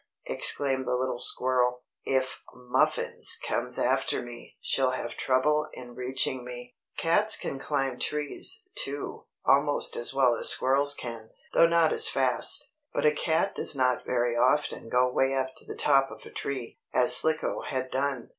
exclaimed the little squirrel, "if Muffins comes after me, she'll have trouble in reaching me." Cats can climb trees, too, almost as well as squirrels can, though not so fast. But a cat does not very often go way up to the top of a tree, as Slicko had done.